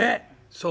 「そう。